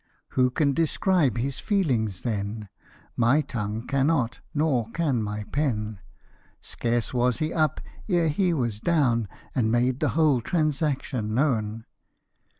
Who can describe his feelings then ? My tongue cannot, nor can my pen : Scarce was he up, ere he was down, And made the whole transaction known.